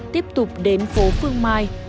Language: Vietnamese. tiếp tục đến phố phương mai